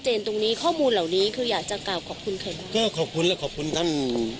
เพราะท่อมูลเหล่านี้คืออยากจะขอบคุณใครก็ขอบคุณและขอบคุณท่าน